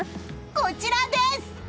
こちらです！